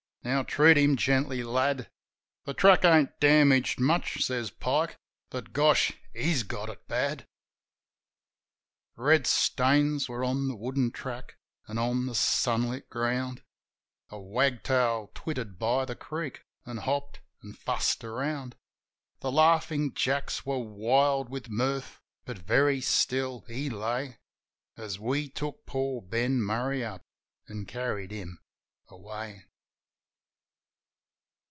Now treat him gently, lad." "The track ain't damaged much," says Pike; "but, gosh, he's got it bad !" Red stains were on the wooden track an' on the sunlit ground; A wagtail twittered by the creek, an' hopped an' fussed around ; The Laughin' Jacks were wild with mirth ; but very still he lay, As we took poor Ben Murray up an' carried him away.